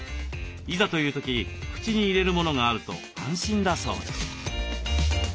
いざという時口に入れるものがあると安心だそうです。